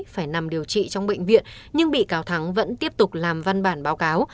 phải nằm điều trị trong bệnh viện nhưng bị cáo thắng vẫn tiếp tục làm văn bản báo cáo